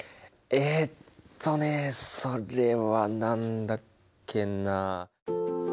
えとねそれは何だっけな。